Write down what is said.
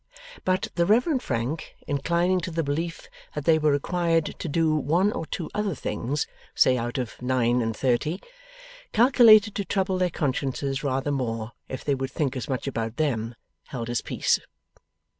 But, the Reverend Frank, inclining to the belief that they were required to do one or two other things (say out of nine and thirty) calculated to trouble their consciences rather more if they would think as much about them, held his peace.